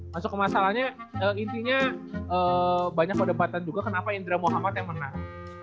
masuk ke masalahnya intinya banyak perdebatan juga kenapa indra muhammad yang menang